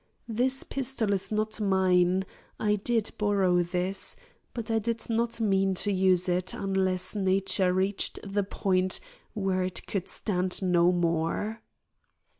This pistol is not mine. I did borrow this, but I did not mean to use it, unless nature reached the point where it could stand no more.